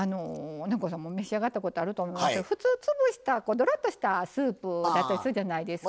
南光さんも召し上がったことあると思いますけど普通潰したどろっとしたスープだったりするじゃないですか。